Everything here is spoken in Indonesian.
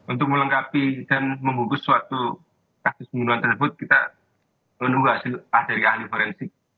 untuk melengkapi dan membungkus suatu kasus pembunuhan tersebut kita menunggu hasil dari ahli forensik